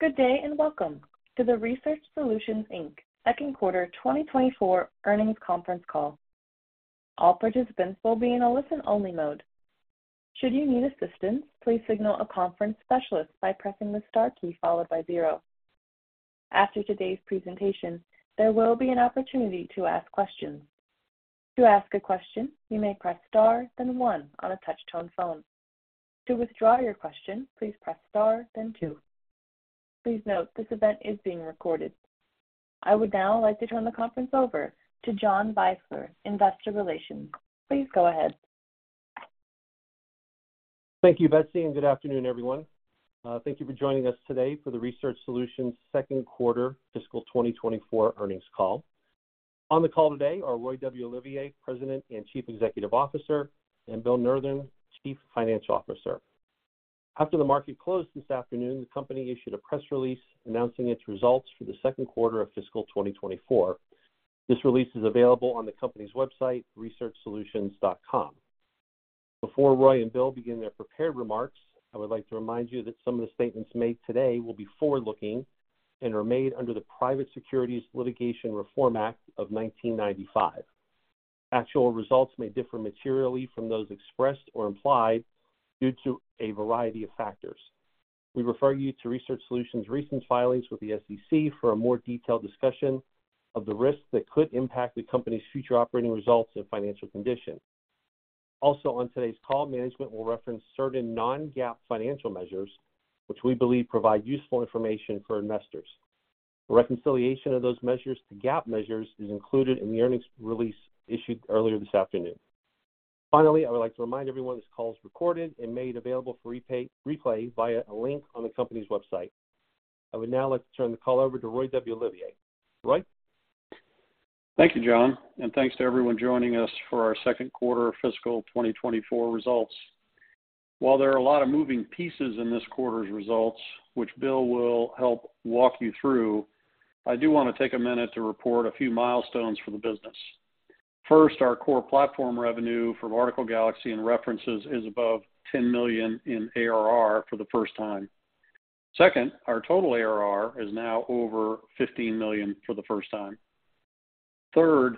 Good day, and welcome to the Research Solutions, Inc. second quarter 2024 earnings conference call. All participants will be in a listen-only mode. Should you need assistance, please signal a conference specialist by pressing the star key followed by zero. After today's presentation, there will be an opportunity to ask questions. To ask a question, you may press star, then one on a touch-tone phone. To withdraw your question, please press star then two. Please note, this event is being recorded. I would now like to turn the conference over to John Beisler, Investor Relations. Please go ahead. Thank you, Betsy, and good afternoon, everyone. Thank you for joining us today for the Research Solutions second quarter fiscal 2024 earnings call. On the call today are Roy W. Olivier, President and Chief Executive Officer, and Bill Nurthen, Chief Financial Officer. After the market closed this afternoon, the company issued a press release announcing its results for the second quarter of fiscal 2024. This release is available on the company's website, researchsolutions.com. Before Roy and Bill begin their prepared remarks, I would like to remind you that some of the statements made today will be forward-looking and are made under the Private Securities Litigation Reform Act of 1995. Actual results may differ materially from those expressed or implied due to a variety of factors. We refer you to Research Solutions' recent filings with the SEC for a more detailed discussion of the risks that could impact the company's future operating results and financial condition. Also, on today's call, management will reference certain non-GAAP financial measures, which we believe provide useful information for investors. A reconciliation of those measures to GAAP measures is included in the earnings release issued earlier this afternoon. Finally, I would like to remind everyone this call is recorded and made available for replay via a link on the company's website. I would now like to turn the call over to Roy W. Olivier. Roy? Thank you, John, and thanks to everyone joining us for our second quarter fiscal 2024 results. While there are a lot of moving pieces in this quarter's results, which Bill will help walk you through, I do want to take a minute to report a few milestones for the business. First, our core platform revenue from Article Galaxy and References is above $10 million in ARR for the first time. Second, our total ARR is now over $15 million for the first time. Third,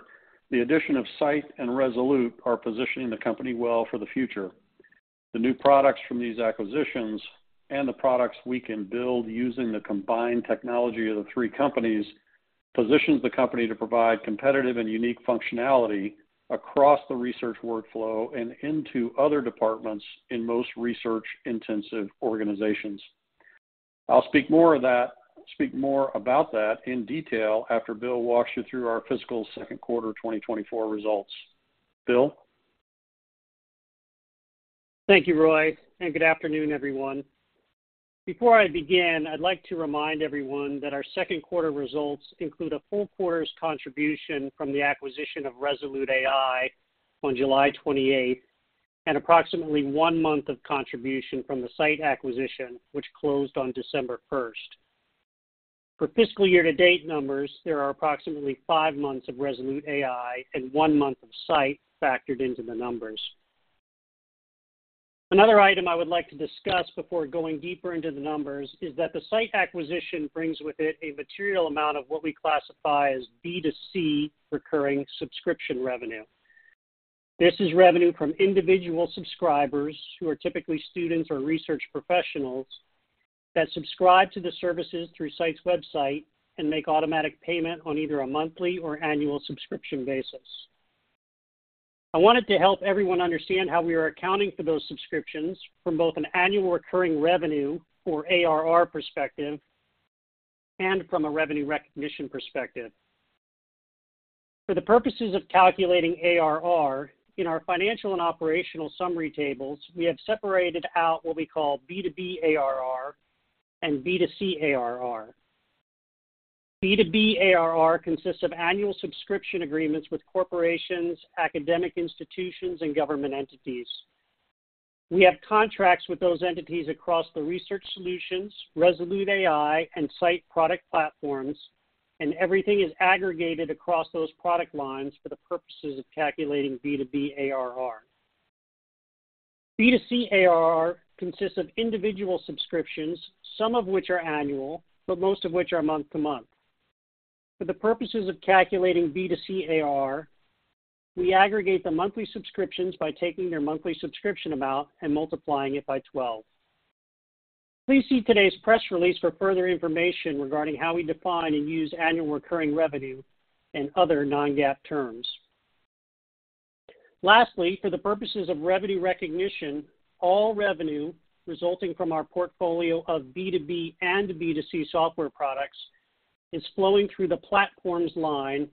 the addition of Scite and Resolute are positioning the company well for the future. The new products from these acquisitions and the products we can build using the combined technology of the three companies, positions the company to provide competitive and unique functionality across the research workflow and into other departments in most research-intensive organizations. I'll speak more of that... Speak more about that in detail after Bill walks you through our fiscal second quarter 2024 results. Bill? Thank you, Roy, and good afternoon, everyone. Before I begin, I'd like to remind everyone that our second quarter results include a full quarter's contribution from the acquisition of ResoluteAI on July 28 and approximately one month of contribution from the Scite acquisition, which closed on December 1. For fiscal year-to-date numbers, there are approximately five months of ResoluteAI and one month of Scite factored into the numbers. Another item I would like to discuss before going deeper into the numbers is that the Scite acquisition brings with it a material amount of what we classify as B2C recurring subscription revenue. This is revenue from individual subscribers, who are typically students or research professionals, that subscribe to the services through Scite's website and make automatic payment on either a monthly or annual subscription basis. I wanted to help everyone understand how we are accounting for those subscriptions from both an annual recurring revenue or ARR perspective and from a revenue recognition perspective. For the purposes of calculating ARR, in our financial and operational summary tables, we have separated out what we call B2B ARR and B2C ARR. B2B ARR consists of annual subscription agreements with corporations, academic institutions, and government entities. We have contracts with those entities across the Research Solutions, ResoluteAI, and Scite product platforms, and everything is aggregated across those product lines for the purposes of calculating B2B ARR. B2C ARR consists of individual subscriptions, some of which are annual, but most of which are month to month. For the purposes of calculating B2C ARR, we aggregate the monthly subscriptions by taking their monthly subscription amount and multiplying it by 12. Please see today's press release for further information regarding how we define and use annual recurring revenue and other non-GAAP terms. Lastly, for the purposes of revenue recognition, all revenue resulting from our portfolio of B2B and B2C software products is flowing through the platforms line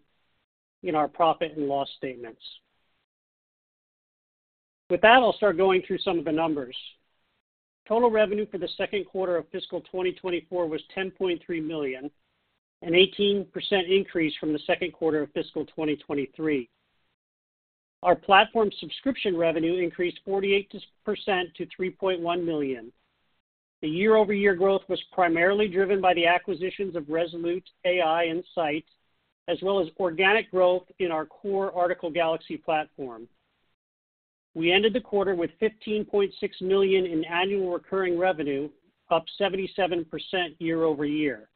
in our profit and loss statements. With that, I'll start going through some of the numbers. Total revenue for the second quarter of fiscal 2024 was $10.3 million, an 18% increase from the second quarter of fiscal 2023. Our platform subscription revenue increased 48% to $3.1 million. The year-over-year growth was primarily driven by the acquisitions of ResoluteAI and Scite, as well as organic growth in our core Article Galaxy platform.... We ended the quarter with $15.6 million in annual recurring revenue, up 77% year over year.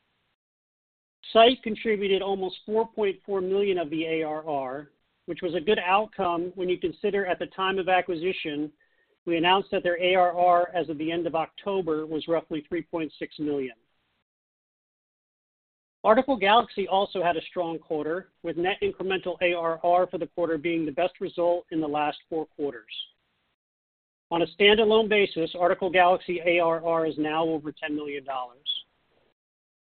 Scite contributed almost $4.4 million of the ARR, which was a good outcome when you consider at the time of acquisition, we announced that their ARR as of the end of October, was roughly $3.6 million. Article Galaxy also had a strong quarter, with net incremental ARR for the quarter being the best result in the last four quarters. On a standalone basis, Article Galaxy ARR is now over $10 million.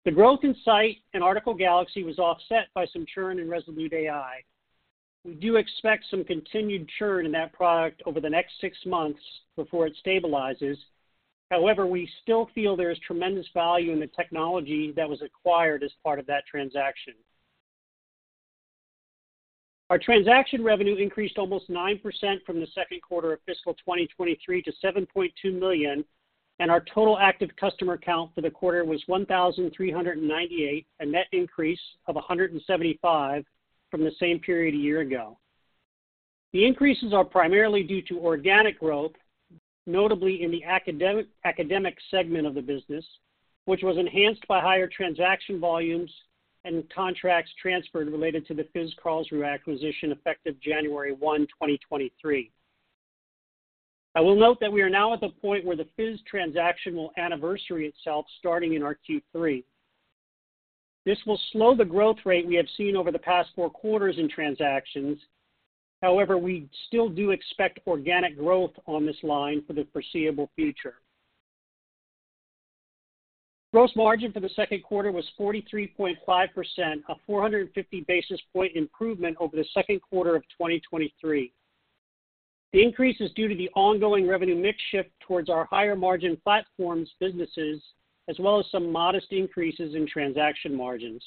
The growth in Scite and Article Galaxy was offset by some churn in ResoluteAI. We do expect some continued churn in that product over the next six months before it stabilizes. However, we still feel there is tremendous value in the technology that was acquired as part of that transaction. Our transaction revenue increased almost 9% from the second quarter of fiscal 2023 to $7.2 million, and our total active customer count for the quarter was 1,398, a net increase of 175 from the same period a year ago. The increases are primarily due to organic growth, notably in the academic segment of the business, which was enhanced by higher transaction volumes and contracts transferred related to the FIZ Karlsruhe acquisition effective January 1, 2023. I will note that we are now at the point where the FIZ transaction will anniversary itself starting in our Q3. This will slow the growth rate we have seen over the past four quarters in transactions. However, we still do expect organic growth on this line for the foreseeable future. Gross margin for the second quarter was 43.5%, a 450 basis point improvement over the second quarter of 2023. The increase is due to the ongoing revenue mix shift towards our higher-margin platforms businesses, as well as some modest increases in transaction margins.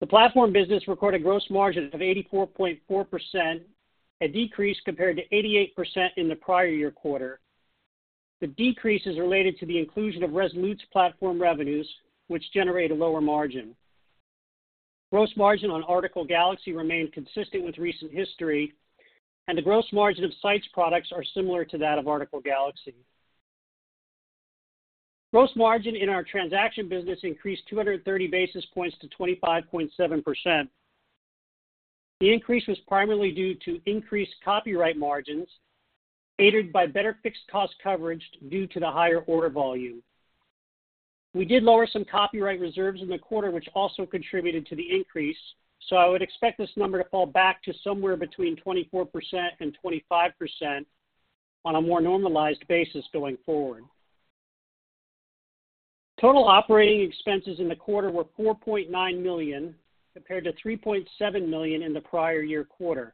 The platform business recorded gross margin of 84.4%, a decrease compared to 88% in the prior year quarter. The decrease is related to the inclusion of ResoluteAI's platform revenues, which generate a lower margin. Gross margin on Article Galaxy remained consistent with recent history, and the gross margin of Scite's products are similar to that of Article Galaxy. Gross margin in our transaction business increased 230 basis points to 25.7%. The increase was primarily due to increased copyright margins, aided by better fixed cost coverage due to the higher order volume. We did lower some copyright reserves in the quarter, which also contributed to the increase, so I would expect this number to fall back to somewhere between 24% and 25% on a more normalized basis going forward. Total operating expenses in the quarter were $4.9 million, compared to $3.7 million in the prior year quarter.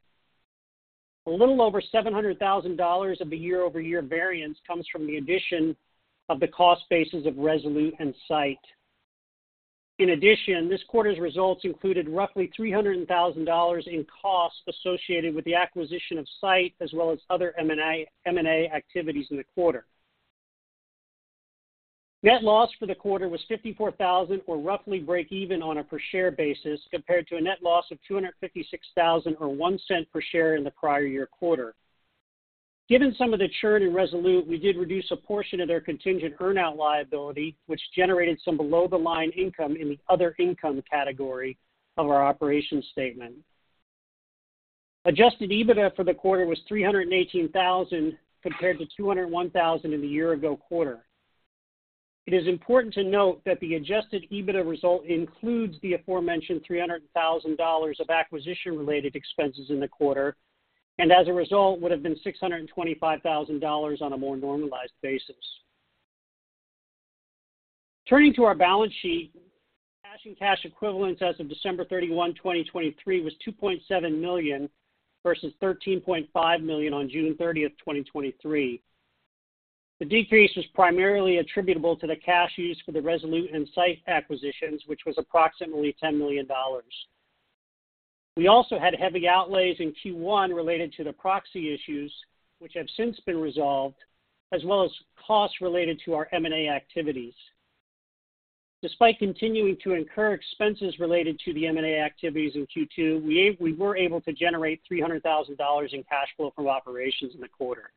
A little over $700,000 of the year-over-year variance comes from the addition of the cost bases of ResoluteAI and Scite. In addition, this quarter's results included roughly $300,000 in costs associated with the acquisition of Scite, as well as other M&A activities in the quarter. Net loss for the quarter was $54,000, or roughly breakeven on a per-share basis, compared to a net loss of $256,000, or $0.01 per share in the prior year quarter. Given some of the churn in Resolute, we did reduce a portion of their contingent earn-out liability, which generated some below-the-line income in the other income category of our operations statement. Adjusted EBITDA for the quarter was $318,000, compared to $201,000 in the year-ago quarter. It is important to note that the adjusted EBITDA result includes the aforementioned $300,000 of acquisition-related expenses in the quarter, and as a result, would have been $625,000 on a more normalized basis. Turning to our balance sheet, cash and cash equivalents as of December 31, 2023, was $2.7 million, versus $13.5 million on June 30, 2023. The decrease was primarily attributable to the cash used for the Resolute and Scite acquisitions, which was approximately $10 million. We also had heavy outlays in Q1 related to the proxy issues, which have since been resolved, as well as costs related to our M&A activities. Despite continuing to incur expenses related to the M&A activities in Q2, we were able to generate $300,000 in cash flow from operations in the quarter.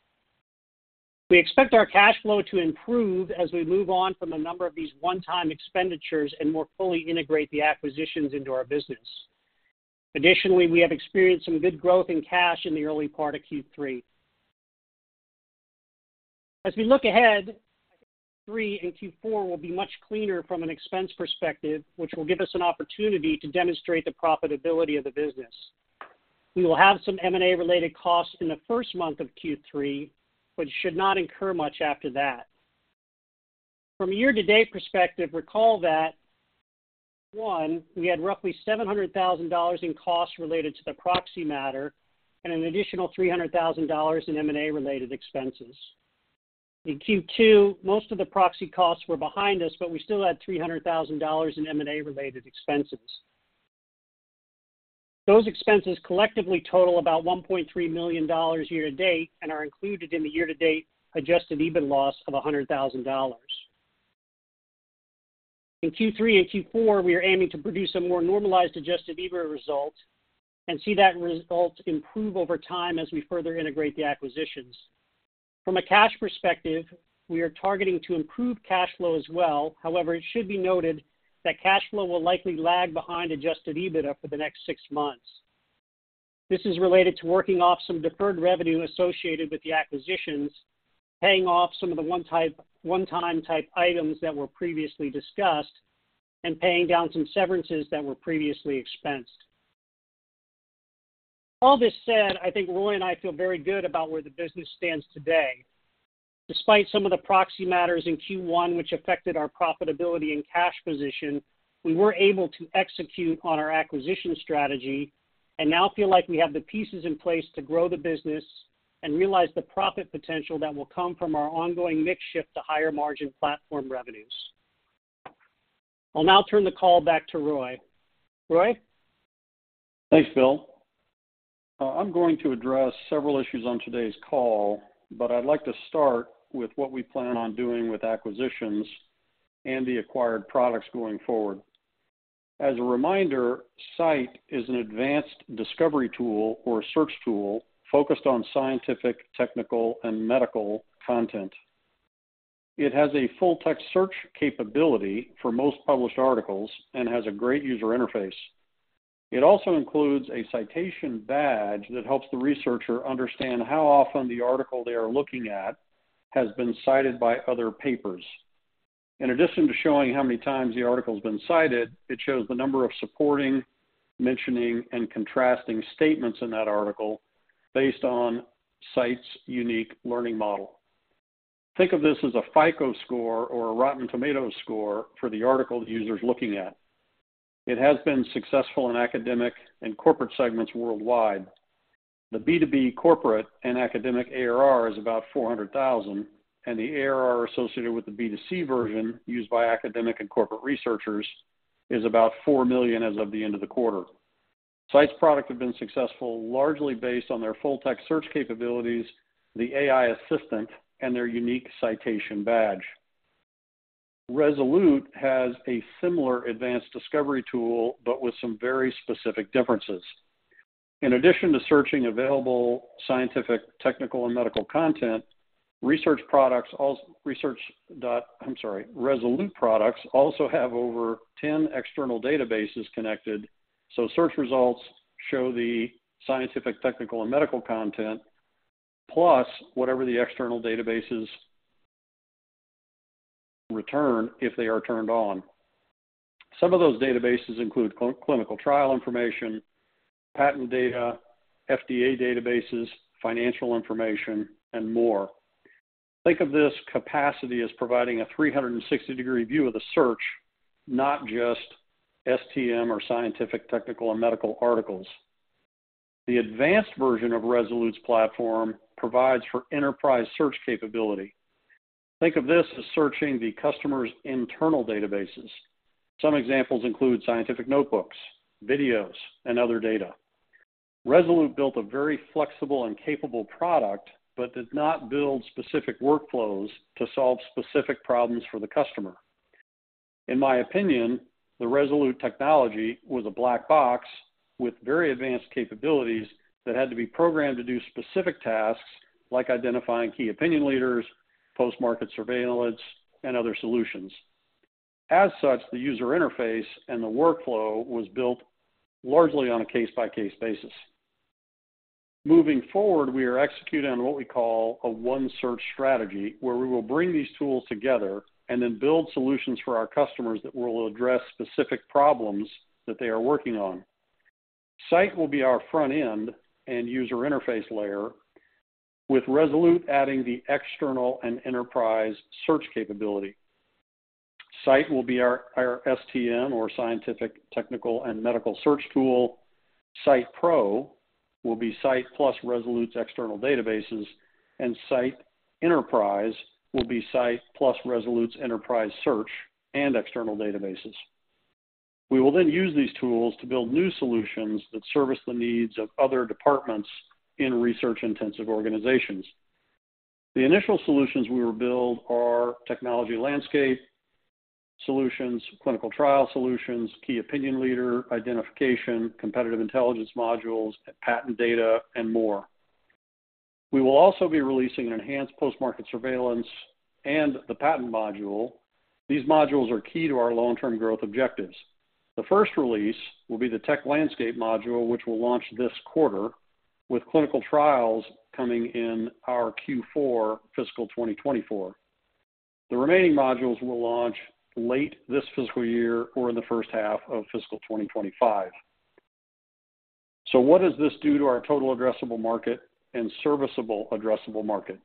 We expect our cash flow to improve as we move on from a number of these one-time expenditures and more fully integrate the acquisitions into our business. Additionally, we have experienced some good growth in cash in the early part of Q3. As we look ahead, Q3 and Q4 will be much cleaner from an expense perspective, which will give us an opportunity to demonstrate the profitability of the business. We will have some M&A-related costs in the first month of Q3, but should not incur much after that. From a year-to-date perspective, recall that one, we had roughly $700,000 in costs related to the proxy matter and an additional $300,000 in M&A-related expenses. In Q2, most of the proxy costs were behind us, but we still had $300,000 in M&A-related expenses. Those expenses collectively total about $1.3 million year to date and are included in the year-to-date adjusted EBIT loss of $100,000. In Q3 and Q4, we are aiming to produce a more normalized adjusted EBITDA result and see that result improve over time as we further integrate the acquisitions. From a cash perspective, we are targeting to improve cash flow as well. However, it should be noted that cash flow will likely lag behind adjusted EBITDA for the next six months. This is related to working off some deferred revenue associated with the acquisitions, paying off some of the one-time type items that were previously discussed, and paying down some severances that were previously expensed. All this said, I think Roy and I feel very good about where the business stands today. Despite some of the proxy matters in Q1, which affected our profitability and cash position, we were able to execute on our acquisition strategy and now feel like we have the pieces in place to grow the business and realize the profit potential that will come from our ongoing mix shift to higher margin platform revenues. I'll now turn the call back to Roy. Roy? Thanks, Bill. I'm going to address several issues on today's call, but I'd like to start with what we plan on doing with acquisitions and the acquired products going forward. As a reminder, Scite is an advanced discovery tool or a search tool focused on scientific, technical, and medical content. It has a full text search capability for most published articles and has a great user interface. It also includes a citation badge that helps the researcher understand how often the article they are looking at has been cited by other papers. In addition to showing how many times the article has been cited, it shows the number of supporting, mentioning, and contrasting statements in that article based on Scite's unique learning model. Think of this as a FICO Score or a Rotten Tomatoes Score for the article the user's looking at. It has been successful in academic and corporate segments worldwide. The B2B corporate and academic ARR is about $400,000, and the ARR associated with the B2C version, used by academic and corporate researchers, is about $4 million as of the end of the quarter. Scite's product have been successful, largely based on their full text search capabilities, the AI assistant, and their unique citation badge. Resolute has a similar advanced discovery tool, but with some very specific differences. In addition to searching available scientific, technical, and medical content, Resolute products also have over 10 external databases connected, so search results show the scientific, technical, and medical content, plus whatever the external databases return if they are turned on. Some of those databases include clinical trial information, patent data, FDA databases, financial information, and more. Think of this capacity as providing a 360-degree view of the search, not just STM or scientific, technical, and medical articles. The advanced version of Resolute's platform provides for enterprise search capability. Think of this as searching the customer's internal databases. Some examples include scientific notebooks, videos, and other data. Resolute built a very flexible and capable product, but did not build specific workflows to solve specific problems for the customer. In my opinion, the Resolute technology was a black box with very advanced capabilities that had to be programmed to do specific tasks, like identifying key opinion leaders, post-market surveillance, and other solutions. As such, the user interface and the workflow was built largely on a case-by-case basis. Moving forward, we are executing on what we call a one search strategy, where we will bring these tools together and then build solutions for our customers that will address specific problems that they are working on. Scite will be our front end and user interface layer, with Resolute adding the external and enterprise search capability. Scite will be our STM or scientific, technical, and medical search tool. Scite Pro will be Scite plus Resolute's external databases, and Scite Enterprise will be Scite plus Resolute's enterprise search and external databases. We will then use these tools to build new solutions that service the needs of other departments in research-intensive organizations. The initial solutions we will build are technology landscape solutions, clinical trial solutions, key opinion leader identification, competitive intelligence modules, patent data, and more. We will also be releasing enhanced post-market surveillance and the patent module. These modules are key to our long-term growth objectives. The first release will be the tech landscape module, which will launch this quarter, with clinical trials coming in our Q4 fiscal 2024. The remaining modules will launch late this fiscal year or in the first half of fiscal 2025. So what does this do to our total addressable market and serviceable addressable market?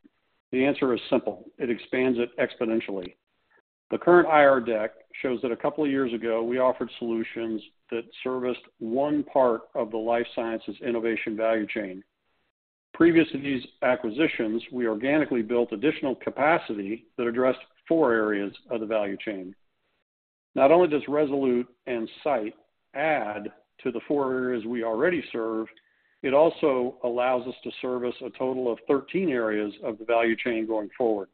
The answer is simple: It expands it exponentially. The current IR deck shows that a couple of years ago, we offered solutions that serviced one part of the life sciences innovation value chain. Previous to these acquisitions, we organically built additional capacity that addressed four areas of the value chain. Not only does ResoluteAI and Scite add to the four areas we already serve. It also allows us to service a total of 13 areas of the value chain going forward.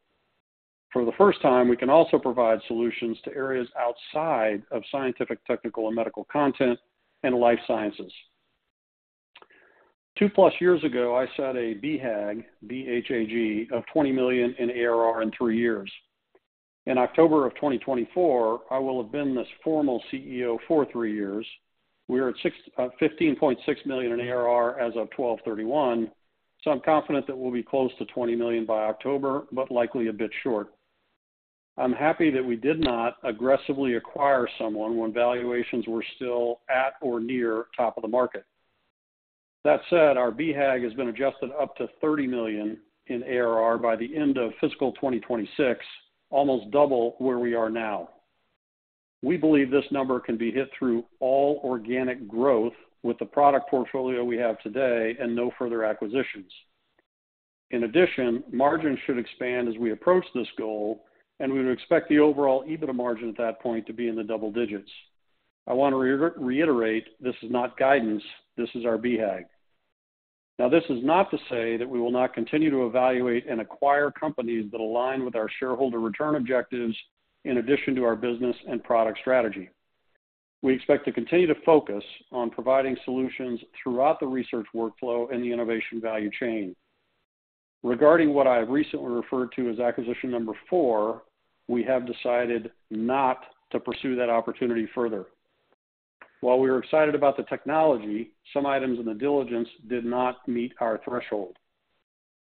For the first time, we can also provide solutions to areas outside of scientific, technical, and medical content and life sciences. Two-plus years ago, I set a BHAG, B-H-A-G, of $20 million in ARR in three years. In October of 2024, I will have been this formal CEO for three years. We are at 15.6 million in ARR as of 12/31, so I'm confident that we'll be close to $20 million by October, but likely a bit short. I'm happy that we did not aggressively acquire someone when valuations were still at or near top of the market. That said, our BHAG has been adjusted up to $30 million in ARR by the end of fiscal 2026, almost double where we are now. We believe this number can be hit through all organic growth with the product portfolio we have today and no further acquisitions. In addition, margins should expand as we approach this goal, and we would expect the overall EBITDA margin at that point to be in the double digits. I want to reiterate, this is not guidance. This is our BHAG. Now, this is not to say that we will not continue to evaluate and acquire companies that align with our shareholder return objectives in addition to our business and product strategy. We expect to continue to focus on providing solutions throughout the research workflow and the innovation value chain. Regarding what I have recently referred to as acquisition number four, we have decided not to pursue that opportunity further. While we were excited about the technology, some items in the diligence did not meet our threshold.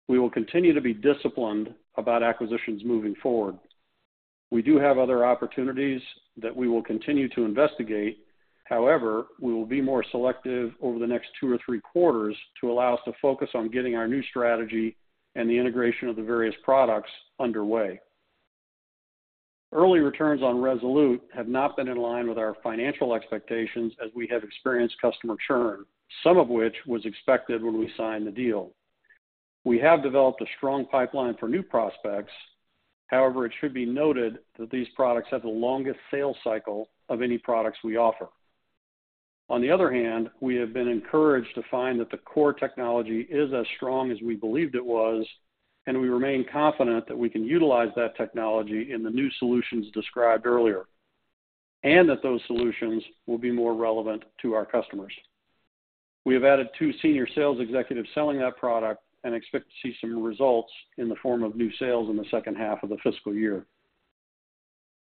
We will continue to be disciplined about acquisitions moving forward. We do have other opportunities that we will continue to investigate. However, we will be more selective over the next two or three quarters to allow us to focus on getting our new strategy and the integration of the various products underway. Early returns on ResoluteAI have not been in line with our financial expectations, as we have experienced customer churn, some of which was expected when we signed the deal. We have developed a strong pipeline for new prospects. However, it should be noted that these products have the longest sales cycle of any products we offer. On the other hand, we have been encouraged to find that the core technology is as strong as we believed it was, and we remain confident that we can utilize that technology in the new solutions described earlier, and that those solutions will be more relevant to our customers. We have added two senior sales executives selling that product and expect to see some results in the form of new sales in the second half of the fiscal year.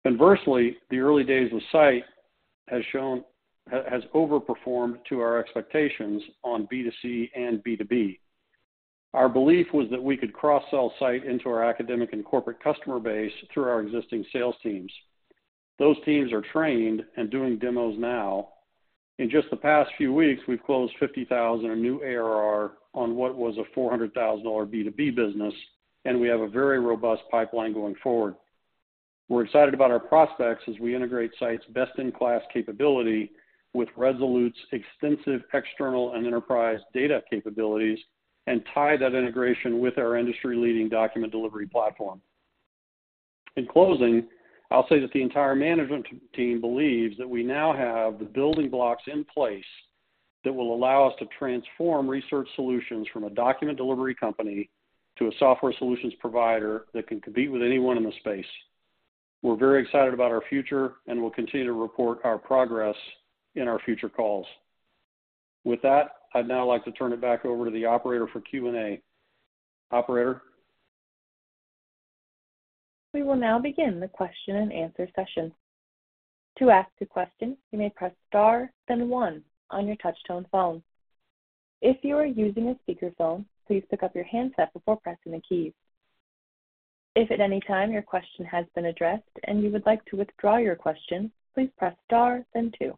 Conversely, the early days of Scite has overperformed to our expectations on B2C and B2B. Our belief was that we could cross-sell Scite into our academic and corporate customer base through our existing sales teams. Those teams are trained and doing demos now. In just the past few weeks, we've closed 50,000 in new ARR on what was a $400,000 B2B business, and we have a very robust pipeline going forward. We're excited about our prospects as we integrate Scite's best-in-class capability with Resolute's extensive external and enterprise data capabilities and tie that integration with our industry-leading document delivery platform. In closing, I'll say that the entire management team believes that we now have the building blocks in place that will allow us to transform Research Solutions from a document delivery company to a software solutions provider that can compete with anyone in the space. We're very excited about our future, and we'll continue to report our progress in our future calls. With that, I'd now like to turn it back over to the operator for Q&A. Operator? We will now begin the question-and-answer session. To ask a question, you may press star, then one on your touchtone phone. If you are using a speakerphone, please pick up your handset before pressing the keys. If at any time your question has been addressed and you would like to withdraw your question, please press star, then two.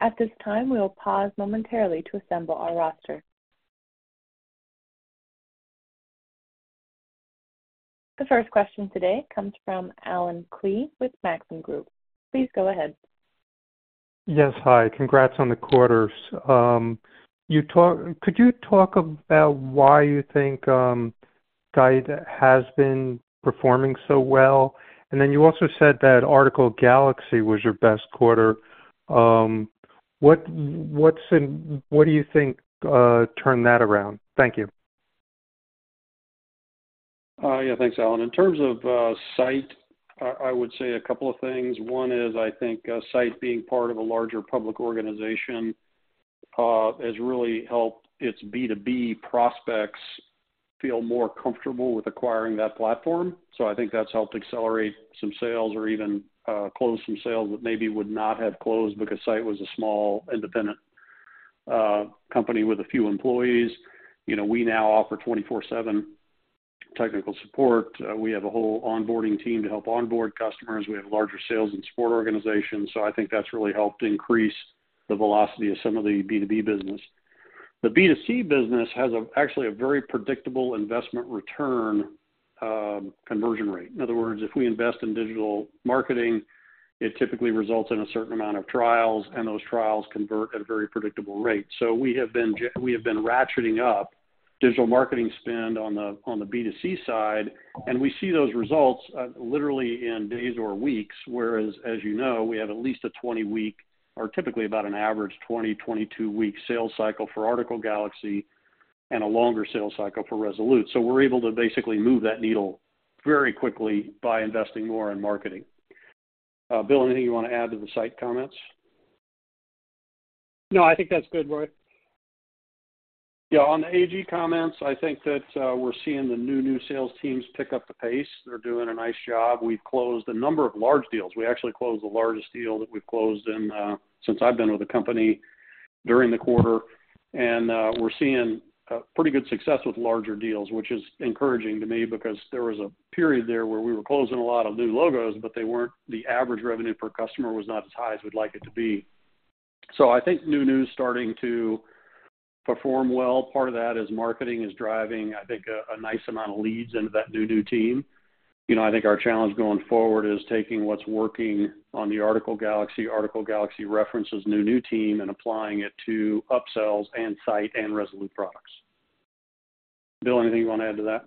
At this time, we will pause momentarily to assemble our roster. The first question today comes from Allen Klee with Maxim Group. Please go ahead. Yes, hi. Congrats on the quarters. Could you talk about why you think Scite has been performing so well? And then you also said that Article Galaxy was your best quarter. What do you think turned that around? Thank you. Yeah, thanks, Alan. In terms of Scite, I would say a couple of things. One is, I think Scite being part of a larger public organization has really helped its B2B prospects feel more comfortable with acquiring that platform. So I think that's helped accelerate some sales or even close some sales that maybe would not have closed because Scite was a small, independent company with a few employees. You know, we now offer 24/7 technical support. We have a whole onboarding team to help onboard customers. We have larger sales and support organizations, so I think that's really helped increase the velocity of some of the B2B business. The B2C business has a, actually, a very predictable investment return conversion rate. In other words, if we invest in digital marketing, it typically results in a certain amount of trials, and those trials convert at a very predictable rate. So we have been ratcheting up digital marketing spend on the, on the B2C side, and we see those results literally in days or weeks. Whereas, as you know, we have at least a 20-week, or typically about an average 20-22-week sales cycle for Article Galaxy and a longer sales cycle for Resolute. So we're able to basically move that needle very quickly by investing more in marketing. Bill, anything you want to add to those comments? No, I think that's good, Roy. Yeah, on the AG comments, I think that, we're seeing the new, new sales teams pick up the pace. They're doing a nice job. We've closed a number of large deals. We actually closed the largest deal that we've closed in, since I've been with the company during the quarter, and, we're seeing a pretty good success with larger deals, which is encouraging to me because there was a period there where we were closing a lot of new logos, but they weren't -- the average revenue per customer was not as high as we'd like it to be. So I think new, new is starting to perform well. Part of that is marketing is driving, I think, a, a nice amount of leads into that new, new team. You know, I think our challenge going forward is taking what's working on the Article Galaxy, Article Galaxy References' new team, and applying it to upsells and Scite and ResoluteAI products. Bill, anything you want to add to that?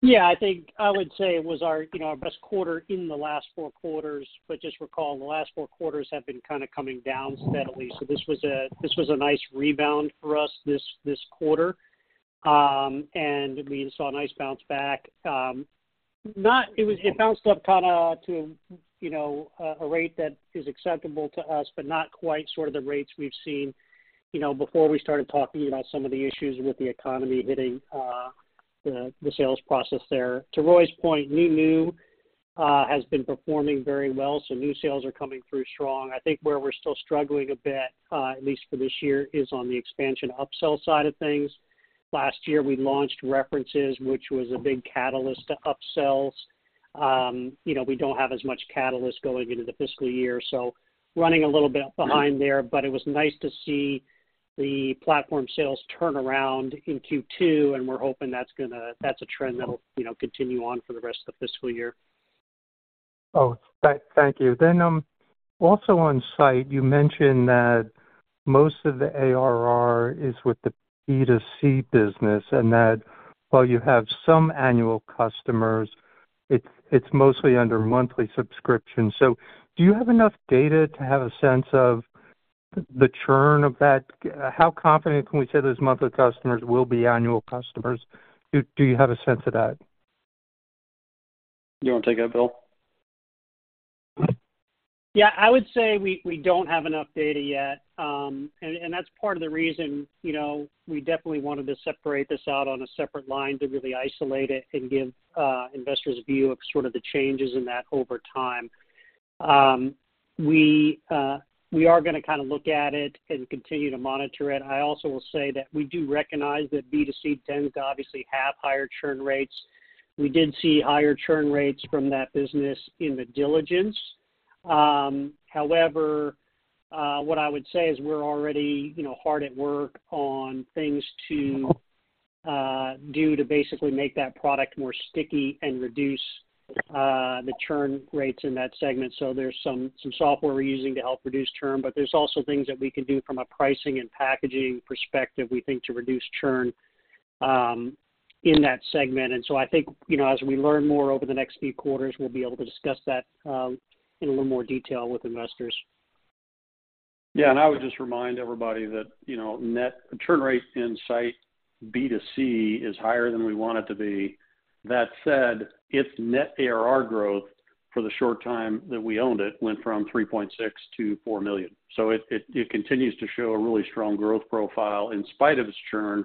Yeah, I think I would say it was our, you know, our best quarter in the last four quarters. But just recall, the last four quarters have been kind of coming down steadily, so this was a nice rebound for us, this quarter. And we saw a nice bounce back. Not, it bounced up kind of to, you know, a rate that is acceptable to us, but not quite sort of the rates we've seen, you know, before we started talking about some of the issues with the economy hitting the sales process there. To Roy's point, new has been performing very well, so new sales are coming through strong. I think where we're still struggling a bit, at least for this year, is on the expansion upsell side of things. Last year, we launched References, which was a big catalyst to upsells. You know, we don't have as much catalyst going into the fiscal year, so running a little bit behind there, but it was nice to see the platform sales turn around in Q2, and we're hoping that's a trend that'll, you know, continue on for the rest of the fiscal year. Oh, thank you. Then, also on site, you mentioned that most of the ARR is with the B2C business, and that while you have some annual customers, it's mostly under monthly subscription. So do you have enough data to have a sense of the churn of that? How confident can we say those monthly customers will be annual customers? Do you have a sense of that? You want to take that, Bill? Yeah, I would say we don't have enough data yet. And that's part of the reason, you know, we definitely wanted to separate this out on a separate line to really isolate it and give investors a view of sort of the changes in that over time. We are gonna kind of look at it and continue to monitor it. I also will say that we do recognize that B2C tends to obviously have higher churn rates. We did see higher churn rates from that business in the diligence. However, what I would say is we're already, you know, hard at work on things to do to basically make that product more sticky and reduce the churn rates in that segment. So there's some software we're using to help reduce churn, but there's also things that we can do from a pricing and packaging perspective, we think, to reduce churn in that segment. And so I think, you know, as we learn more over the next few quarters, we'll be able to discuss that in a little more detail with investors. Yeah, and I would just remind everybody that, you know, net churn rate in Scite B2C is higher than we want it to be. That said, its net ARR growth for the short time that we owned it went from $3.6 million-$4 million. So it continues to show a really strong growth profile in spite of its churn.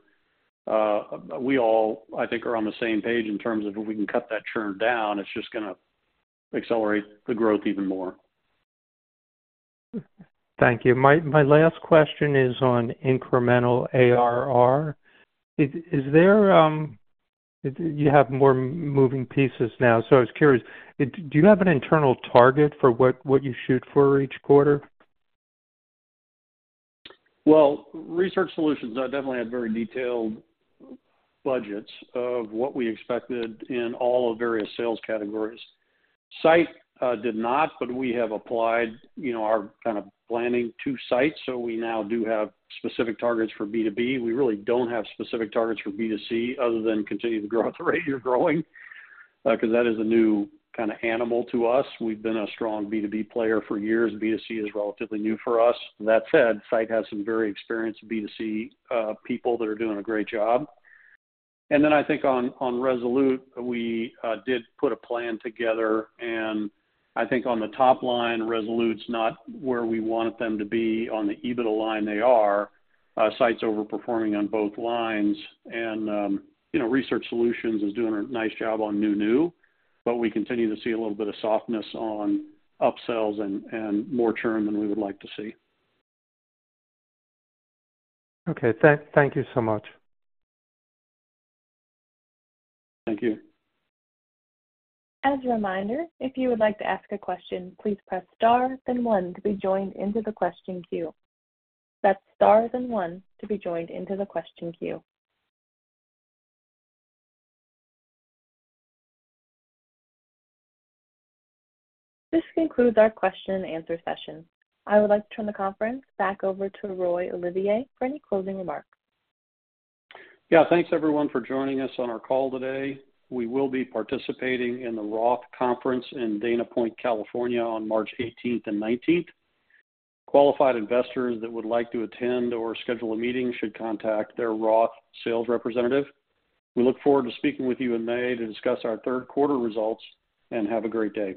We all, I think, are on the same page in terms of if we can cut that churn down, it's just gonna accelerate the growth even more. Thank you. My last question is on incremental ARR. Is there, you have more moving pieces now, so I was curious, do you have an internal target for what you shoot for each quarter? Well, Research Solutions definitely had very detailed budgets of what we expected in all the various sales categories. Scite did not, but we have applied, you know, our kind of planning to Scite, so we now do have specific targets for B2B. We really don't have specific targets for B2C other than continue to grow at the rate you're growing, because that is a new kind of animal to us. We've been a strong B2B player for years. B2C is relatively new for us. That said, Scite has some very experienced B2C people that are doing a great job. And then I think on Resolute, we did put a plan together, and I think on the top line, Resolute's not where we want them to be. On the EBITDA line, they are. Scite's overperforming on both lines, and, you know, Research Solutions is doing a nice job on new, but we continue to see a little bit of softness on upsells and more churn than we would like to see. Okay. Thank you so much. Thank you. As a reminder, if you would like to ask a question, please press star then one to be joined into the question queue. Press star then one to be joined into the question queue. This concludes our question and answer session. I would like to turn the conference back over to Roy Olivier for any closing remarks. Yeah. Thanks, everyone, for joining us on our call today. We will be participating in the Roth Conference in Dana Point, California, on March 18th and 19th. Qualified investors that would like to attend or schedule a meeting should contact their Roth sales representative. We look forward to speaking with you in May to discuss our third quarter results, and have a great day.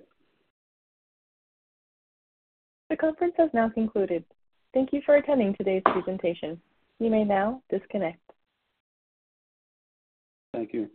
The conference has now concluded. Thank you for attending today's presentation. You may now disconnect. Thank you.